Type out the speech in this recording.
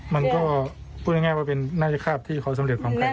มันก็พูดง่ายว่าเป็นน่าจะคาบที่เขาสำเร็จความไคร